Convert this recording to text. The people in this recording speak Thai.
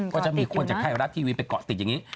ก็จะมีคนจากไทยรัฐทีวีไปเกาะติดอย่างนี้